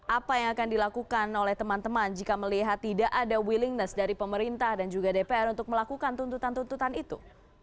apa yang akan dilakukan oleh teman teman jika melihat tidak ada willingness dari pemerintah dan juga dpr untuk melakukan tuntutan tuntutan itu